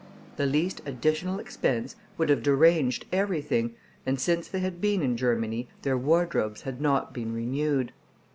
The least additional expense would have deranged everything, and since they had been in Germany, their wardrobes had not been renewed.